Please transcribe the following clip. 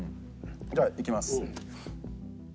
じゃあいきます。